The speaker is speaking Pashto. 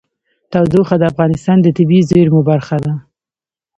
تودوخه د افغانستان د طبیعي زیرمو برخه ده.